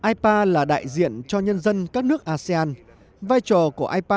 ipa là đại diện cho nhân dân các nước asean vai trò của ipa cũng như việc tăng cường hợp tác giữa ipa với asean